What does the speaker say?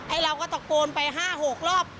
เราก็ตะโกนไป๕๖รอบ